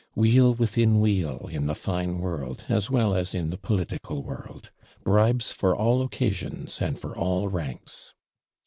Wheel within wheel in the fine world, as well as in the political world! Bribes for all occasions, and for all ranks!